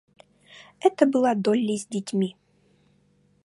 Это была Долли с детьми.